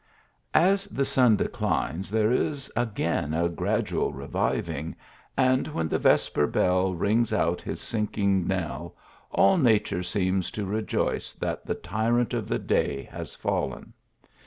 As the sun declines there is again a gradual re viving, and when the vesper bell rings out his sink ing knell, all nature seems to rejoice that the tyrant of the day has fallen.